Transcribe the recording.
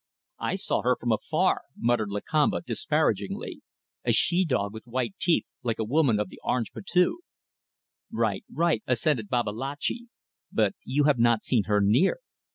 "I saw her from afar," muttered Lakamba, disparagingly. "A she dog with white teeth, like a woman of the Orang Putih." "Right, right," assented Babalatchi; "but you have not seen her near.